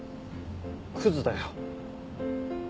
くずだよ。